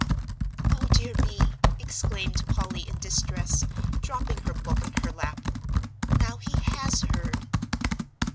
"O dear me!" exclaimed Polly, in distress, dropping her book in her lap; "now he has heard."